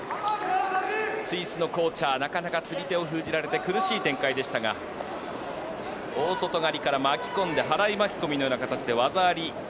スイスのコーチャーなかなか釣り手を封じられて苦しい展開でしたが大外刈りから巻き込んで払い巻き込みのような形で技あり。